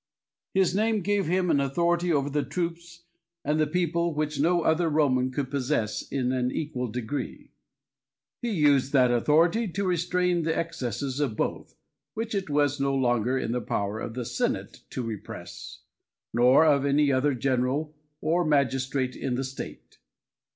His name gave him an authority over the troops and the people which no other Roman could possess in an equal degree. He used that authority to restrain the excesses of both, which it was no longer in the power of the Senate to repress, nor of any other general or magistrate in the state.